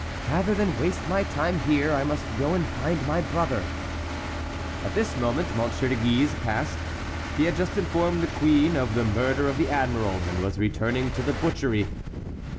"Rather than waste my time here, I must go and find my brother." At this moment M. de Guise passed; he had just informed the queen of the murder of the admiral, and was returning to the butchery.